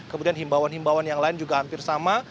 kemudian himbawan himbawan yang lain juga hampir sama